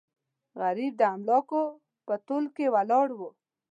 غریب د املوکو په تول کې ولاړو.